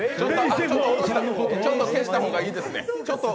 ちょっと消した方がいいですね。